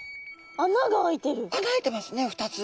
穴あいてますね２つ。